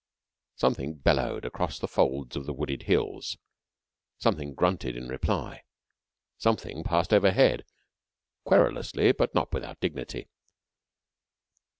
Something bellowed across the folds of the wooded hills; something grunted in reply. Something passed overhead, querulously but not without dignity.